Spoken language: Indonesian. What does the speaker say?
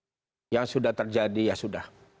kalau saya menyimpulkan begini yang sudah terjadi ya sudah